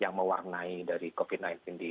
yang mewarnai dari covid sembilan belas di jawa timur ini